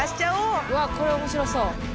うわこれ面白そう。